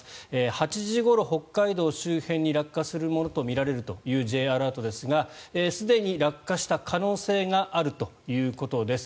８時ごろ、北海道周辺に落下するものとみられるというＪアラートですがすでに落下した可能性があるということです。